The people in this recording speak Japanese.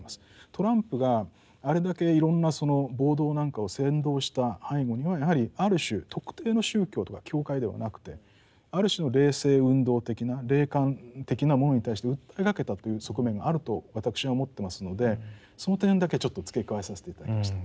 トランプがあれだけいろんなその暴動なんかを扇動した背後にはやはりある種特定の宗教とか教会ではなくてある種の霊性運動的な霊感的なものに対して訴えかけたという側面があると私は思ってますのでその点だけちょっと付け加えさせて頂きました。